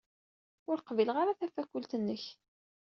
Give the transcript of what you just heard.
Ur qbileɣ ara tafakult-nnek.